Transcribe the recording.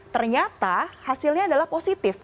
ternyata hasilnya adalah positif